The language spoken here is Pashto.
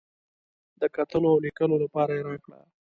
د کتلو او لیکلو لپاره یې راکړه.